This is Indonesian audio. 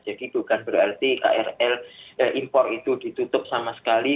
jadi bukan berarti krl impor itu ditutup sama sekali